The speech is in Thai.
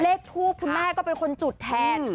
เลขทูบคุณแม่ก็เป็นคนจุดแทน